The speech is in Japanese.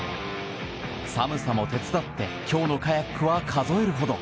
寒さも手伝って今日のカヤックは数えるほど。